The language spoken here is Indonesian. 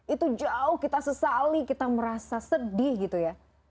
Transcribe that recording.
itu jauh kita sesali kita merasa sedih gitu ya